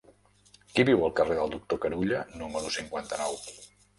Qui viu al carrer del Doctor Carulla número cinquanta-nou?